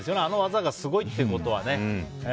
あの技がすごいということはね。